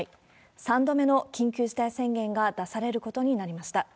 ３度目の緊急事態宣言が出されることになりました。